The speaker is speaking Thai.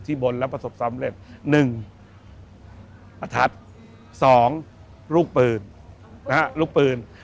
ที่บนแล้วประสบสำเร็จหนึ่งประทัดสองลูกปืน